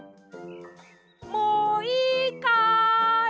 もういいかい！